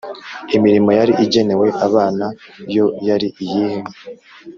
imirimo yari igenewe abana yo yari iyihe?